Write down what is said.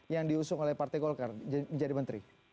yang diusung oleh partai golkar menjadi menteri